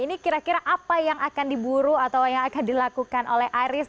ini kira kira apa yang akan diburu atau yang akan dilakukan oleh iris